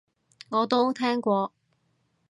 我都聽過